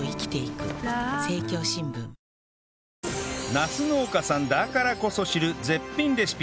ナス農家さんだからこそ知る絶品レシピ